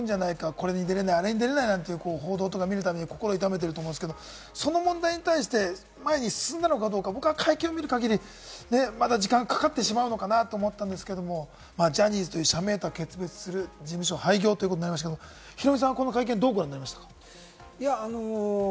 これに出れない、あれに出れないという報道を見るたびに心を痛めてると思うんですけれども、その問題に対して前に進んだのかどうか、会見を見る限り、まだ時間がかかってしまうのかなと思ったんですけれども、ジャニーズという社名とは決別する、事務所廃業ということになりましたが、ヒロミさんは、どうご覧になりましたか？